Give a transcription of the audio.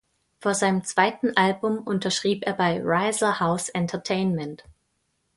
Vor seinem zweiten Album unterschrieb er bei "Riser House Entertainment".